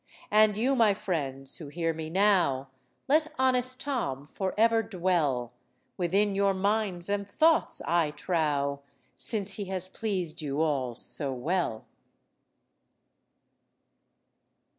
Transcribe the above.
And you, my friends, who hear me now, Let honest Tom for ever dwell Within your minds and thoughts, I trow, Since he has pleased you all so well."